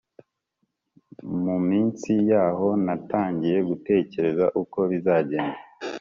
Mu minsi yaho natangiye gutekereza uko bizagenda